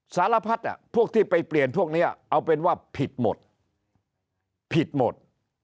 สารพัดพวกที่ไปเปลี่ยนพวกนี้เอาเป็นว่าผิดหมดผิดหมด